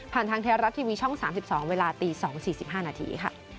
ผ่านทางเทรารัสทีวีช่อง๓๒เวลา๒๔๕นาที